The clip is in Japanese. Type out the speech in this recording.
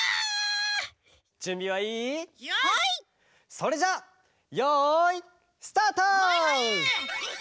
それじゃあよいスタート！